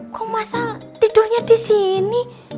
kok mas al tidurnya disini